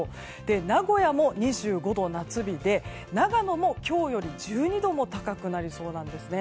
名古屋も２５度、夏日で長野も今日より１２度も高くなりそうなんです。